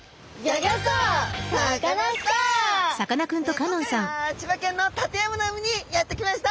今回は千葉県の館山の海にやって来ました！